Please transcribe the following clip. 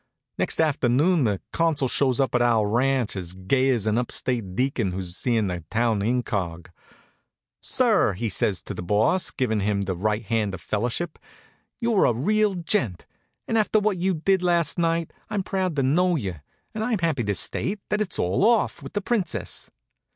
Next afternoon the Consul shows up at our ranch as gay as an up state deacon who's seeing the town incog. "Sir," says he to the Boss, givin' him the right hand of fellowship, "you're a real gent. After what you did last night I'm proud to know you; and I'm happy to state that it's all off with the Princess."